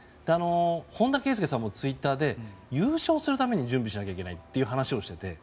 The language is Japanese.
本田圭佑さんもツイッターで優勝するために準備しなきゃいけないという話をしていて。